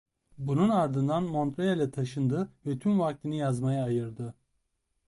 Bunun ardından Montreal'a taşındı ve tüm vaktini yazmaya ayırdı.